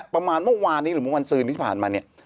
ประมาณเมื่อวานนี้หรือเมื่อวันซืนที่ผ่านมาเนี่ย